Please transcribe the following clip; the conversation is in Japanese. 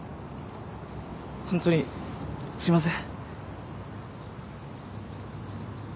ホントにすいません。